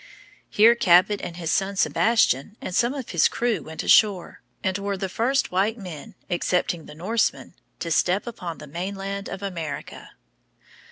Here Cabot and his son Sebastian and some of his crew went ashore, and were the first white men, excepting the Norsemen, to step upon the mainland of America.